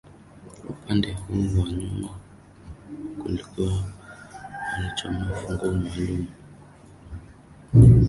Upande huu wa nyuma kulikuwa na mlango mmoja wa kuingilia ndani alichomoa funguo maalumu